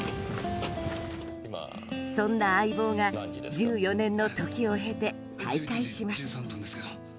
そんな相棒が１４年の時を経て再会します。